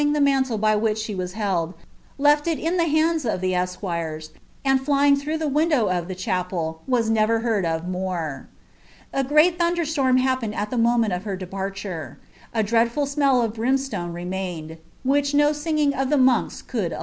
■ mantle 1^ which the was held, left it in the hands of the esquires, ' JjrinK thraugb the window of the chapel, was never heard of more. t thunder storm happened at the moment of her departure; a 1 Huell of brimstoae remained, which " no singing of the monks .